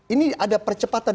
ini ada percepatan